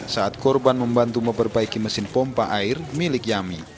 saat korban membantu memperbaiki mesin pompa air milik yami